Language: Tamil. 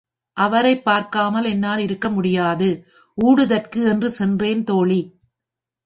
அவரைப் பார்க்காமல் என்னால் இருக்க முடியாது. ஊடுதற்கு என்று சென்றேன் தோழி!